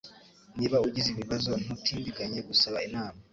Niba ugize ibibazo, ntutindiganye gusaba inama.